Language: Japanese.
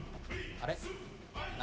あれ？